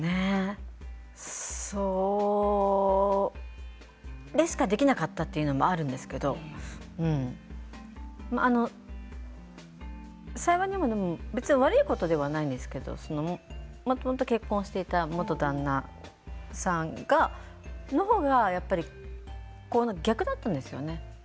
それしかできなかったというのもあるんですけれど幸いにも別に悪いことじゃないんですけれど結婚していた元旦那さんの方が逆だったんですよね